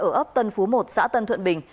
ở ấp tân phú một xã tân thuận bình